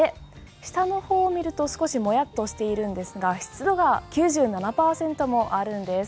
下の方見ると少しもやっとしているんですが湿度が９７％もあるんです。